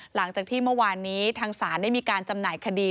หลังจากที่เมื่อวานนี้ทางศาลได้มีการจำหน่ายคดี